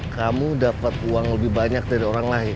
kamu dapat uang lebih banyak dari orang lain